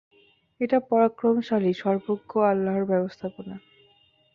এটা পরাক্রমশালী, সর্বজ্ঞ অল্লিাহর ব্যবস্থাপনা।